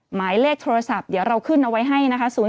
หมายเลขโทรศัพท์เดี๋ยวเราขึ้นเอาไว้ให้นะคะ